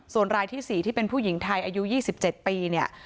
ส่วนรายที่๔ที่เป็นผู้หญิงไทยอายุ๒๗ปีเนี่ย